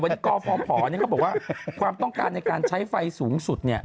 วันนี้กพเขาบอกว่าความต้องการในการใช้ไฟสูงสุด